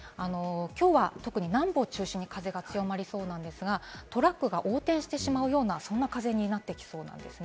きょうは特に南部を中心に風が強まりそうなんですが、トラックが横転してしまうような、そんな風になっていきそうです。